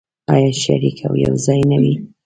آیا شریک او یوځای نه وي؟